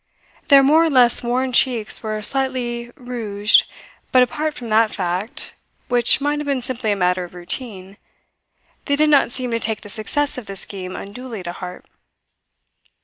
Their more or less worn cheeks were slightly rouged, but apart from that fact, which might have been simply a matter of routine, they did not seem to take the success of the scheme unduly to heart.